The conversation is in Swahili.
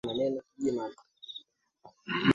cyril ramaphosa alichaguliwa kuwa kiongozi wa chama